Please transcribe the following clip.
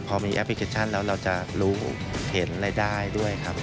พอมีแอปพลิเคชันแล้วเราจะรู้เห็นรายได้ด้วยครับ